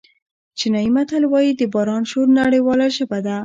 چینایي متل وایي د باران شور نړیواله ژبه ده.